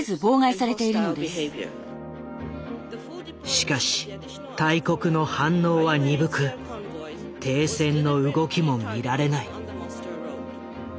しかし大国の反応は鈍く停戦の動きも見られない。